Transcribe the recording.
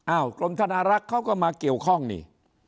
กรมธนารักษ์เขาก็มาเกี่ยวข้องนี่